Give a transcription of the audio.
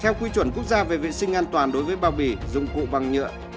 theo quy chuẩn quốc gia về vệ sinh an toàn đối với bao bỉ dùng cụ bằng nhựa